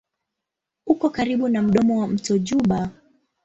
Uko karibu na mdomo wa mto Juba.